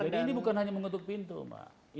jadi ini bukan hanya mengetuk pintu ini mengetuk hati